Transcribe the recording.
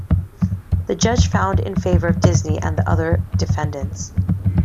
The judge found in favor of Disney and the other defendants.